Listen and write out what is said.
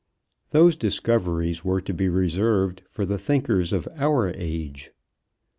Those discoveries were to be reserved for the thinkers of our age.